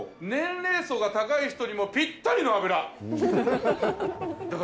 年齢層が高い人にもぴったりの脂。